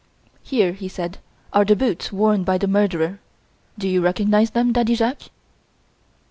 "Here," he said, "are the boots worn by the murderer. Do you recognise them, Daddy Jacques?"